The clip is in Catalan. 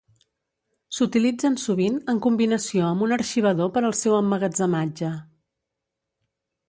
S'utilitzen sovint en combinació amb un arxivador per al seu emmagatzematge.